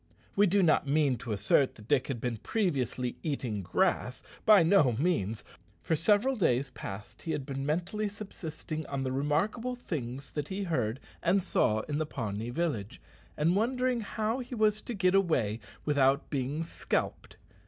We do not mean to assert that Dick had been previously eating grass. By no means. For several days past he had been mentally subsisting on the remarkable things that he heard and saw in the Pawnee village, and wondering how he was to get away without being scalped.